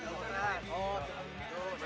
aduh enak banget ya